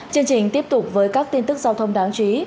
chương trình tiếp tục với các tin tức giao thông đáng chú ý